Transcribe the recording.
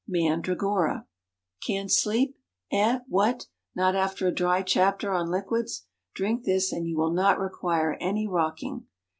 Mandragora. "Can't sleep." Eh? What! not after a dry chapter on liquids? Drink this, and you will not require any rocking.